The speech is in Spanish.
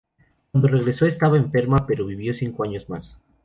Cuando regresó estaba enferma, pero vivió cinco años más.